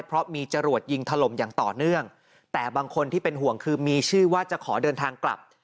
เพราะมีจรวดยิงถล่มอย่างต่อเนื่องแต่บางคนที่เป็นห่วงคือมีชื่อว่าจะขอเดินทางกลับ